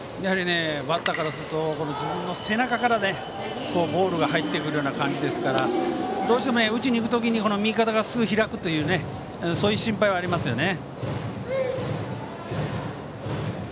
バッターからすると自分の背中からボールが入ってくるような感じですからどうしても打ちにいく時に右肩がすぐ開くという心配がありますよね。